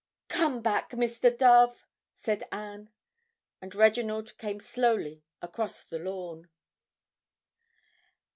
"Come back, Mr. Dove," said Anne. And Reginald came slowly across the lawn.